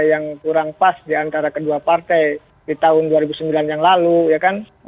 yang kurang pas diantara kedua partai di tahun dua ribu sembilan yang lalu ya kan